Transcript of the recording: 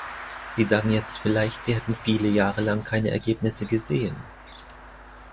Sie sagen jetzt vielleicht, Sie hätten viele Jahre lang keine Ergebnisse gesehen.